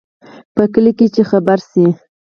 په کلي کې چې خبره شي،